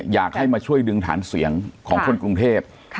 อยากให้มาช่วยดึงฐานเสียงของคนกรุงเทพ